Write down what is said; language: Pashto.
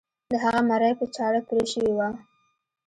د هغه مرۍ په چاړه پرې شوې وه.